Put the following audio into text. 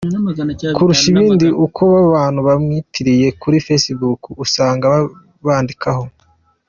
kurusha ibindi, ni uko aba bantu bamwiyitiriye kuri facebook usanga bandikaho.